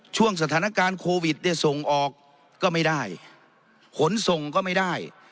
ช่วงสถานการณ์โควิดเนี่ยส่งออกก็ไม่ได้ขนส่งก็ไม่ได้